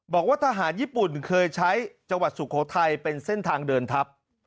บอกว่าทหารญี่ปุ่นเคยใช้จังหวัดสุโขทัยเป็นเส้นทางเดินทัพ